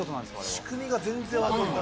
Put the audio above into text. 仕組みが全然分かんない。